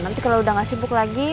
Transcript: nanti kalau udah gak sibuk lagi